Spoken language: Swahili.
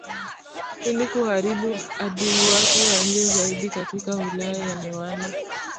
ili kuharibu adui wake wa nje zaidi Katika Wilaya ya Newala